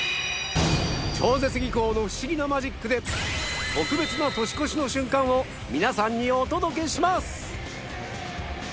超絶技巧のフシギなマジックで特別な年越しの瞬間を皆さんにお届けします！